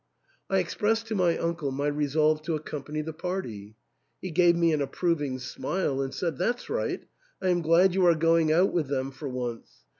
I expressed to my uncle my resolve to accompany the party ; he gave me an approving smile and said, " That's right ; I am glad you are going out with them for once.